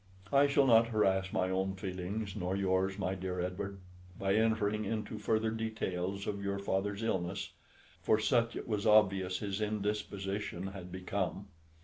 I shall not harass my own feelings nor yours, my dear Edward, by entering into further details of your father's illness, for such it was obvious his indisposition had become.